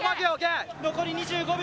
残り２５秒